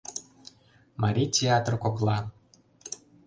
МАРИЙ ТЕАТР КОКЛА